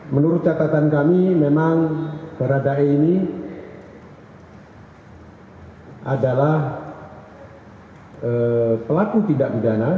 menurut catatan kami memang para da'i ini adalah pelaku tindak pidana